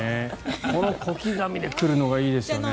この小刻みで来るのがいいですよね。